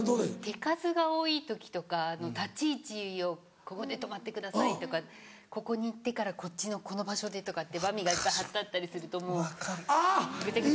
手数が多い時とか立ち位置を「ここで止まってください」とか「ここに行ってからこっちのこの場所で」とかってバミがいっぱい貼ってあったりするともうぐちゃぐちゃになっちゃう。